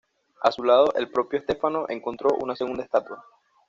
A su lado el propio Stefano encontró una segunda estatua.